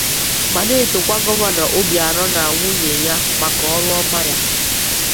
ma na-etòkwa Gọvanọ Obianọ na nwunye ya maka ọrụ ọma ya